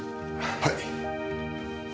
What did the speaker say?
はい。